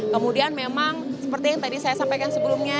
kemudian memang seperti yang tadi saya sampaikan sebelumnya